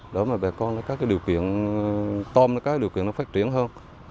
để mà bà con có cái điều kiện tôm nó có điều kiện nó phát triển hơn